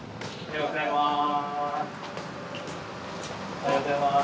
おはようございます。